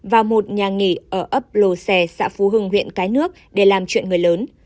vào một nhà nghỉ ở ấp lồ xè xã phú hưng huyện cái nước để làm chuyện người lớn